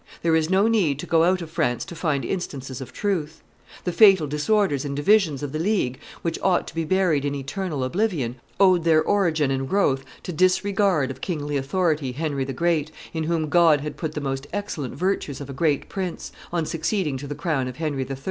There is no need to go out of France to find instances of truth. ... The fatal disorders and divisions of the League, which ought to be buried in eternal oblivion, owed their origin and growth to disregard of the kingly authority Henry the Great, in whom God had put the most excellent virtues of a great prince, on succeeding to the crown of Henry III.